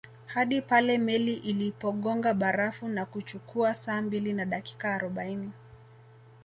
Hadi pale meli ilipogonga barafu na kuchukua saa mbili na dakika arobaini